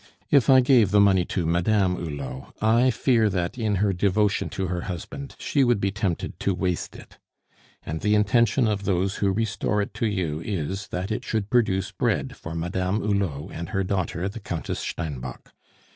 If I gave the money to Madame Hulot, I fear that, in her devotion to her husband, she would be tempted to waste it. And the intention of those who restore it to you is, that it should produce bread for Madame Hulot and her daughter, the Countess Steinbock.